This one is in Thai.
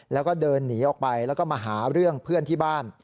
แล้วก็เดินหนีออกไปแล้วก็มาหาเรื่องเพื่อนที่บ้าน